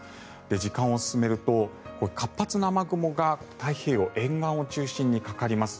時間を進めると活発な雨雲が太平洋沿岸を中心にかかります。